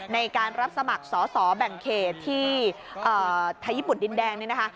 ในการรับสมัครสอสอแบ่งเขตที่ไทยญี่ปุ่นดินแดงนี่นะคะ